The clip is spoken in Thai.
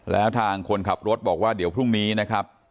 แล้วทางคนขับรถบอกว่าเดี๋ยวพรุ่งนี้นะครับ